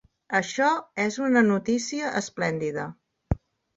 Això és una notícia esplèndida!